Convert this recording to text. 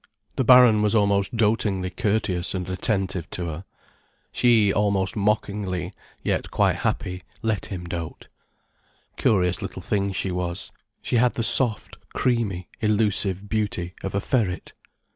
The Baron was almost dotingly courteous and attentive to her. She, almost mockingly, yet quite happy, let him dote. Curious little thing she was, she had the soft, creamy, elusive beauty of a ferret.